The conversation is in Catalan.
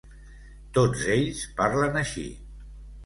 Tots ells parlen així.